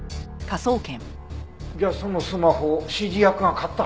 じゃあそのスマホを指示役が買った？